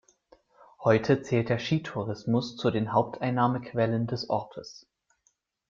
Heute zählt der Skitourismus zu den Haupteinnahmequellen des Ortes.